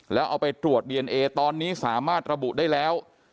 แล้วเอาไปตรวจดีเอนเอตอนนี้สามารถระบุได้แล้ว